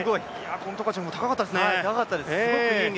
このトカチェフも高かったですね。